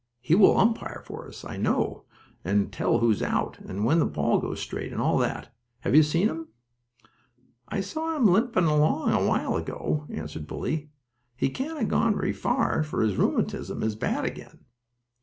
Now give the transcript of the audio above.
He will umpire for us, I know, and tell who's out, and when the balls go straight, and all that. Have you seen him?" "I saw him limping along a while ago," answered Bully. "He can't have gone very far, for his rheumatism is bad again."